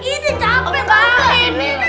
ini capek banget